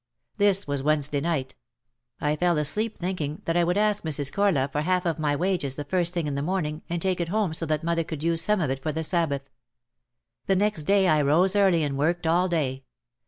This was Wednesday night. I fell asleep thinking that I would ask Mrs. Corlove for half of my wages the first thing in the morning and take it home so that mother could use some of it for the Sabbath. The next day I rose early and worked all day.